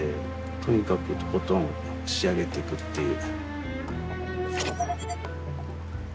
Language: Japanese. とにかくとことん仕上げていくっていう。